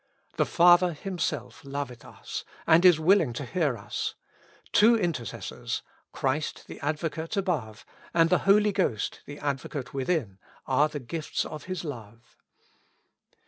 The Father Himself loveth us, and is will ing to hear us ; two intercessors, Christ the Advo cate above, and the Holy Ghost, the Advocate with in, are the gifts of His love.